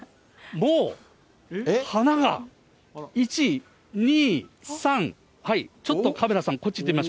もう花が、１、２、３、はい、ちょっとカメラさん、咲いてる？